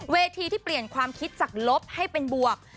เวทีที่เปลี่ยนความคิดจากลบให้เป็นบวก